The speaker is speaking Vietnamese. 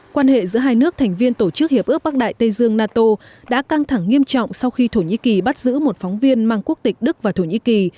quan hệ giữa hai nước thành viên tổ chức hiệp ước bắc đại tây dương nato đã căng thẳng nghiêm trọng sau khi thổ nhĩ kỳ bắt giữ một phóng viên mang quốc tịch đức và thổ nhĩ kỳ